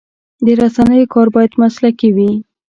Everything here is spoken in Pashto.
د رسنیو کار باید مسلکي وي.